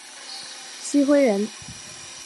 郗恢人。